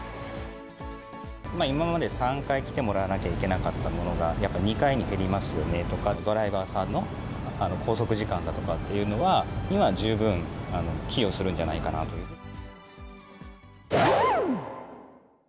今まで３回来てもらわなきゃいけなかったものが、２回に減りますよねとか、ドライバーさんの拘束時間だとかっていうのは、十分寄与するんじゃないかなというふうに。